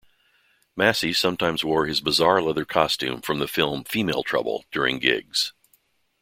Massey sometimes wore his bizarre leather costume from the film "Female Trouble" during gigs.